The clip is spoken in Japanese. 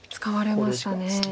使われましたね。